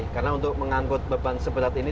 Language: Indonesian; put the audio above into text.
karena untuk mengangkut beban seberat ini